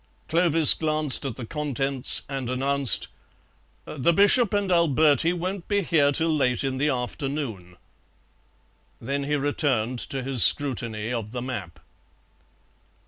Clovis glanced at the contents and announced: "The Bishop and Alberti won't be here till late in the afternoon." Then he returned to his scrutiny of the map.